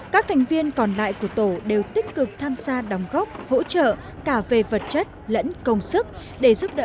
các thành viên còn lại của tổ đều tích cực tham gia đóng góp hỗ trợ cả về vật chất lẫn công nghiệp